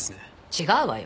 違うわよ。